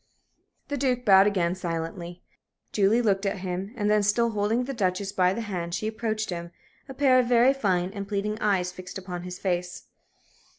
The Duke bowed again, silently. Julie looked at him, and then, still holding the Duchess by the hand, she approached him, a pair of very fine and pleading eyes fixed upon his face.